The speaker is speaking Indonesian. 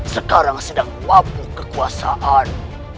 sekarang sedang wabuk kekuasaan